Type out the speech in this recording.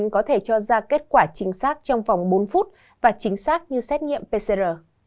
có thể cho ra kết quả chính xác trong vòng bốn phút và chính xác như xét nghiệm pcr